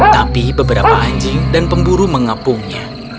tapi beberapa anjing dan pemburu mengepungnya